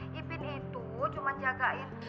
ipin itu cuma jagain